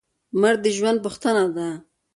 مرګ د ژوند پوښتنه ده.